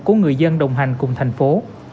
của người dân đồng hành cùng thành phố